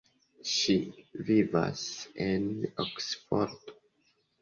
Ŝi vivas en Oksfordo.